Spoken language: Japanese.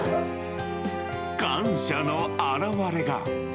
感謝の表れが。